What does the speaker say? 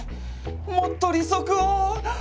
もっと利息を！